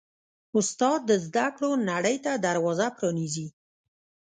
استاد د زده کړو نړۍ ته دروازه پرانیزي.